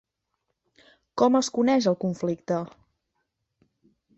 Com es coneix el conflicte?